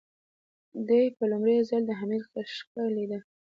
دې په لومړي ځل د حميد خشکه لېده.